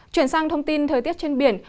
chuyển sang thông tin thời tiết trên biển